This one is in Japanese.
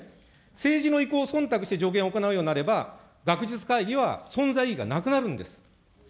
政治の意向をそんたくして、助言を行うようになれば、学術会議は存在意義がなくなるんです。